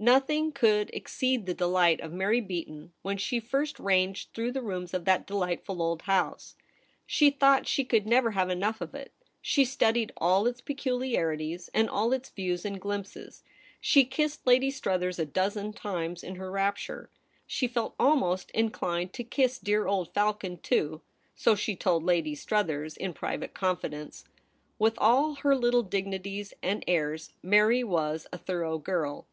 Nothing could exceed the dehght of Mary Beaton when she first ranged through the rooms of that deh'ghtful old house. She thought she could never have enough of it. She studied all its peculiarities, and all its views and glimpses. She kissed Lady Struthers a dozen times in her rapture ; she felt almost inclined to kiss dear old Falcon too, so she told Lady Struthers in private confidence. With all her little dignities and airs, Mary was a thorough girl.